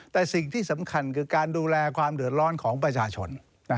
แต่สิ่งที่สำคัญคือการดูแลความเดือดร้อนของประชาชน